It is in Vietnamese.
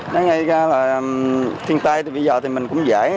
nói ngay ra là thiên tai bây giờ thì mình cũng dễ